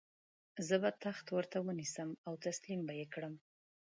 زه به تخت ورته ونیسم او تسلیم به یې کړم.